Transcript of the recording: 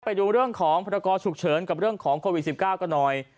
ไปดูเรื่องของพรกรฉุกเฉินกับเรื่องของโควิด๑๙กันหน่อย